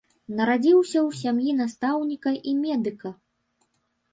Нарадзіўся ў сям'і настаўніка і медыка.